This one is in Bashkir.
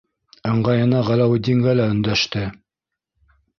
Ыңғайына Ғәләүетдингә лә өндәште.